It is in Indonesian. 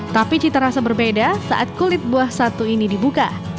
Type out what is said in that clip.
tapi cita rasa berbeda saat kulit buah satu ini dibuka